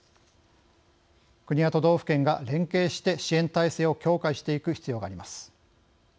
国や都道府県が連携して支援体制を強化していく必要があります。